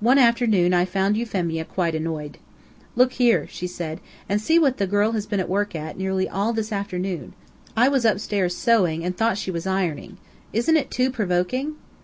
One afternoon I found Euphemia quite annoyed. "Look here," she said, "and see what that girl has been at work at, nearly all this afternoon. I was upstairs sewing and thought she was ironing. Isn't it too provoking?"